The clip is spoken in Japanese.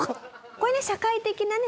これね社会的なね